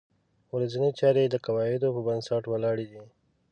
ورځنۍ چارې د قواعدو په بنسټ ولاړې دي.